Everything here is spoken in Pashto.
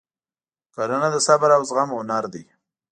کرنه د صبر او زغم هنر دی.